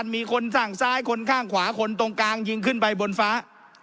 มีคนข้างซ้ายคนข้างขวาคนตรงกลางยิงขึ้นไปบนฟ้า